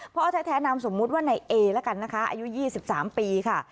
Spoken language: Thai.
พ่อแท้นามสมมุติว่านายเอละกันนะคะอายุ๒๓ปีค่ะ